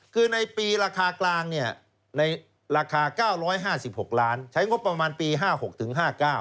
คือในปีราคากลางเนี่ยในราคา๙๕๖ล้านใช้งบประมาณปี๕๖ถึง๕๙